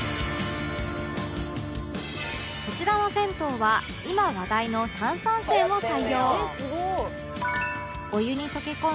こちらの銭湯は今話題の炭酸泉を採用